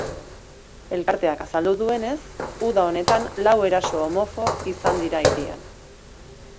Elkarteak azaldu duenez, uda honetan lau eraso homofo izan dira hirian.